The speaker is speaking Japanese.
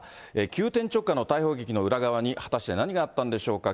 急転直下の逮捕劇の裏側に、果たして何があったんでしょうか。